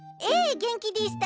元気でぃした。